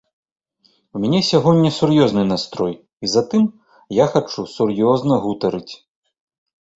У мяне сягоння сур'ёзны настрой, і затым я хачу сур'ёзна гутарыць.